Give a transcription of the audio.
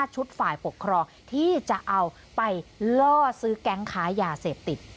ฝ่ายปกครองที่จะเอาไปล่อซื้อแก๊งค้ายาเสพติด